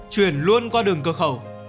chuyển luôn qua đường cửa khẩu